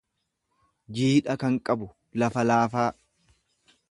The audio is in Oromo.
jiidha kan qabu; Lafa laafaa.